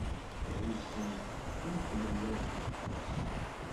Ɛuzzen-t am tmellalt deg ufus.